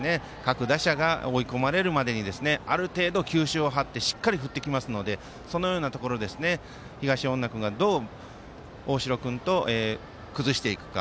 各打者が追い込まれるまでにある程度、球種を張ってしっかり振ってきますのでそのようなところ東恩納君がどう大城君と崩していくか。